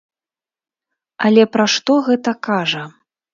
Але пра што гэта кажа?